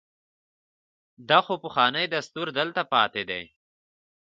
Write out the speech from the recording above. دا خو پخوانی دستور دلته پاتې دی.